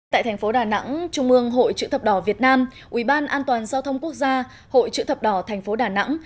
tại thành phố đà nẵng trung mương hội chữ thập đỏ việt nam uban an toàn giao thông quốc gia hội chữ thập đỏ thành phố đà nẵng